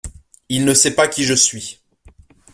Il ne sait pas qui je suis.